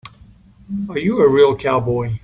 Are you a real cowboy?